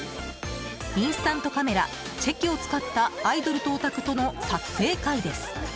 インスタントカメラチェキを使ったアイドルとオタクとの撮影会です。